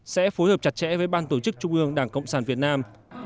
sẽ phối hợp chặt chẽ với ban tổ chức trung ương đảng cộng sản việt nam